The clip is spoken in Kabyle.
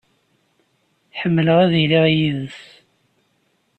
Ḥemmleɣ ad iliɣ yid-s.